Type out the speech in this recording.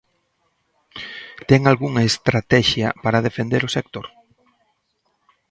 ¿Ten algunha estratexia para defender o sector?